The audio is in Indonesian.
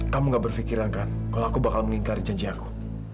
kamu gak berpikiran kan kalau aku bakal mengingkari janji aku